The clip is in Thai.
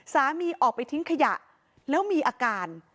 สามีออกไปทิ้งขยะแล้วมีอาการ